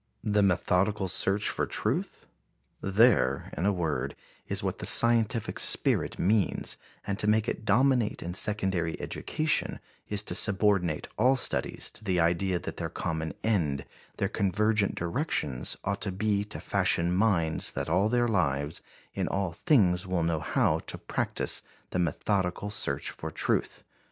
The methodical search for truth? There, in a word, is what the scientific spirit means and to make it dominate in secondary education is to subordinate all studies to the idea that their common end, their convergent directions ought to be to fashion minds that all their lives, in all things will know how to practice the methodical search for truth....